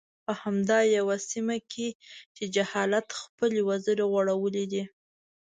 په همداسې يوه سيمه کې چې جهالت خپلې وزرې غوړولي دي.